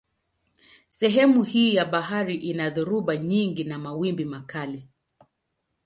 Sehemu hii ya bahari ina dhoruba nyingi na mawimbi makali.